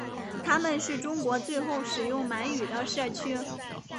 他们是中国最后使用满语的社区。